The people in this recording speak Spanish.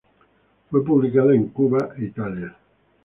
Fue publicada en Cuba e Italia.